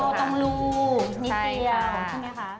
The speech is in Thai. ตรงรูนิเวีย